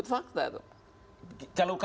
karena itu disebut fakta